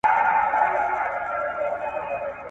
• هره ورځ اختر نه دئ، چي وريجي غوښي وخورې.